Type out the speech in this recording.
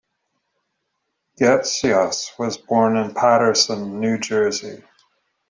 Goetschius was born in Paterson, New Jersey.